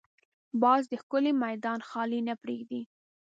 باز د ښکار میدان خالي نه پرېږدي